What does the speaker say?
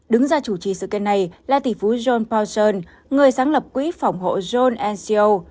đứng ra chủ trì sự kiện này là tỷ phú john powson người sáng lập quỹ phòng hộ john nco